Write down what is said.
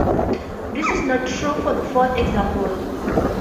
This is not true for the fourth example.